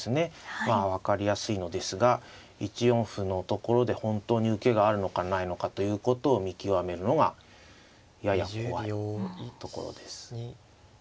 まあ分かりやすいのですが１四歩のところで本当に受けがあるのかないのかということを見極めるのがやや怖いところです。